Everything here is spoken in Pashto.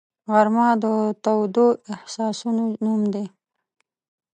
غرمه د تودو احساسونو نوم دی